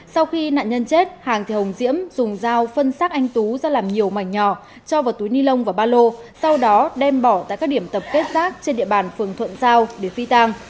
sau khi nạn nhân chết hàng thì hồng diễm dùng dao phân xác anh tú ra làm nhiều mảnh nhỏ cho vào túi ni lông và ba lô sau đó đem bỏ tại các điểm tập kết rác trên địa bàn phường thuận giao để phi tang